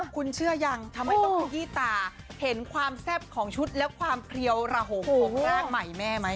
คุณเชื่อยังทำไมต้องขยี้ตาเห็นความแซ่บของชุดและความเพลียวระหงของรากใหม่แม่ไหม